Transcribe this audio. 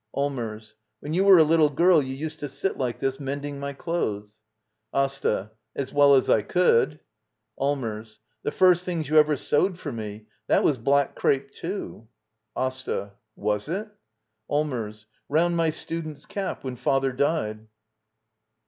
Allmers. When you were a little girl you used to sit like this, mending my clothes. AsTA. As well as I could. Allmers. The first things you ever sewed for me — that was black crepe, too. AsTA. Was it? Allmers. Round my student's cap — when father died.